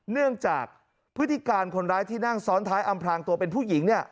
เนื่องจากพฤติการคนร้ายที่นั่งซ้อนท้ายอำพลางตัวเป็นผู้หญิงเนี่ย